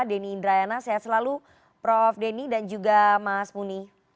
deni indrayana sehat selalu prof deni dan juga mas munir